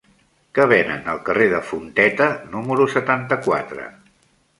Què venen al carrer de Fonteta número setanta-quatre?